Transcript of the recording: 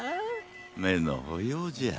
めのほようじゃ。